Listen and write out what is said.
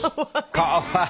かわいい。